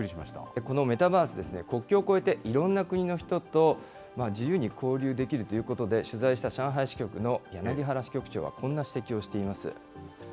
このメタバース、国境を越えて、いろんな国の人と自由に交流できるということで、取材した上海支局の柳原支局長は、こんな指摘をしています。